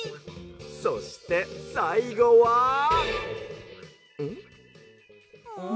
「そしてさいごは。ん？」。